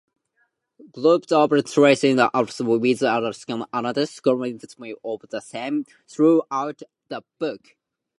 Groups of translations alternate with analysis and commentary on the same throughout the book.